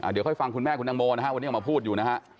เดี๋ยวค่อยฟังคุณแม่คุณตังโมนะฮะวันนี้ออกมาพูดอยู่นะฮะ